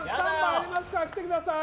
やりますから来てください。